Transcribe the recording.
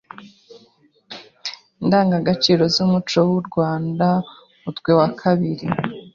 Indangagaciro z’Umuco w’u Rwanda mutwe wa kabiri